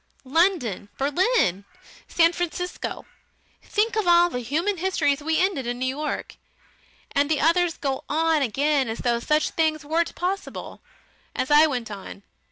London! Berlin! San Francisco! Think of all the human histories we ended in New York!... And the others go on again as though such things weren't possible. As I went on!